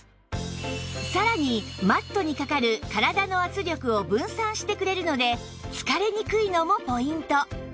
さらにマットにかかる体の圧力を分散してくれるので疲れにくいのもポイント